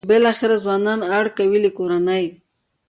چې بالاخره ځوانان اړ کوي له کورنۍ.